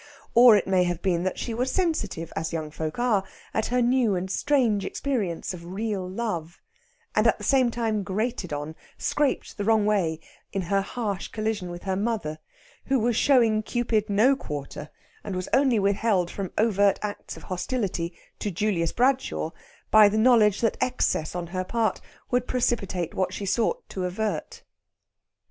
Or it may have been that she was sensitive, as young folk are, at her new and strange experience of Real Love, and at the same time grated on scraped the wrong way in her harsh collision with her mother, who was showing Cupid no quarter, and was only withheld from overt acts of hostility to Julius Bradshaw by the knowledge that excess on her part would precipitate what she sought to avert.